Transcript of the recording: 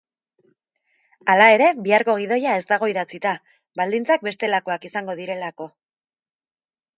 Hala ere, biharko gidoia ez dago idatzita, baldintzak bestelakoak izango direlako.